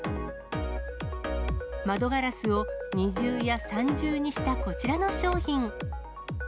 窓ガラスを二重や三重にしたこちらの商品。